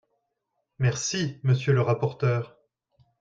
Merci, monsieur le rapporteur.